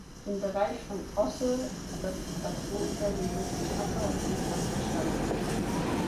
Im Bereich von Osse ist das Plateau überwiegend von Acker- und Wiesland bestanden.